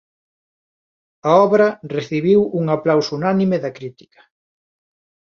A obra recibiu un aplauso unánime da crítica.